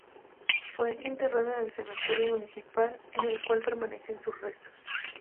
Fue enterrado en el cementerio municipal, en el cual permanecen sus restos.